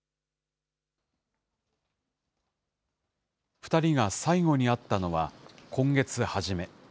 ２人が最後に会ったのは今月初め。